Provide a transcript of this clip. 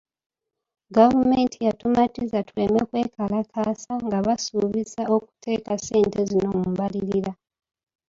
Gavumenti yatumatiza tuleme kwekalakaasa nga basuubizza okuteeka ssente zino mu mbalirira.